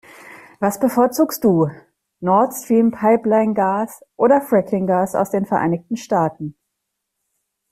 Was bevorzugst du, Nord-Stream-Pipeline-Gas oder Fracking-Gas aus den Vereinigten Staaten?